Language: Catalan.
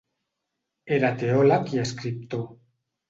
Era teòleg i escriptor.